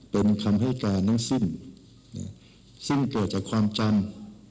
เป็นคำให้การทั้งสิ้นซึ่งเกิดจากความจำ